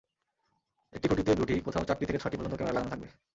একটি খুঁটিতে দুটি, কোথাও চারটি থেকে ছয়টি পর্যন্ত ক্যামেরা লাগানো থাকবে।